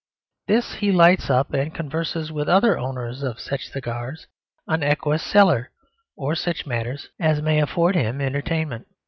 This he lights, and converses with other owners of such cigars on equus celer or such matters as may afford him entertainment.